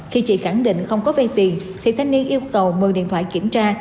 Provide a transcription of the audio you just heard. khi chị khẳng định không có vay tiền thì thanh niên yêu cầu mời điện thoại kiểm tra